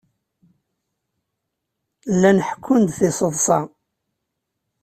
Llan ḥekkun-d tiseḍsa.